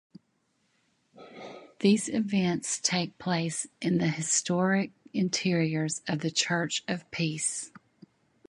These events take place in the historic interiors of the Church of Peace.